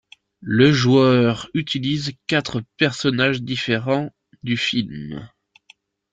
Le joueur utilise quatre personnages différents du film.